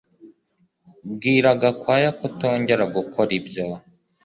Bwira Gakwaya kutongera gukora ibyo